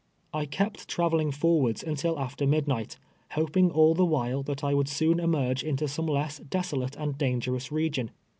I kept traveling forwards until after midnight, hoping all the wliile that I would soon emerge into some less desolate and dangerous region.